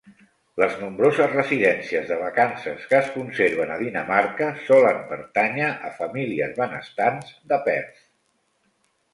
Les nombroses residències de vacances que es conserven a Dinamarca solen pertànyer a famílies benestants de Perth.